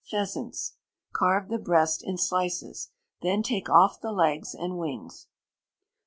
Pheasants. Carve the breast in slices. Then take off the legs and wings. 2672.